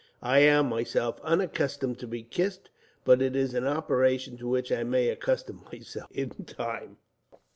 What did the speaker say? I am, myself, unaccustomed to be kissed, but it is an operation to which I may accustom myself, in time."